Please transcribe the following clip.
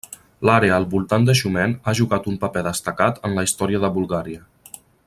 L'àrea al voltant de Xumen ha jugat un paper destacat en la història de Bulgària.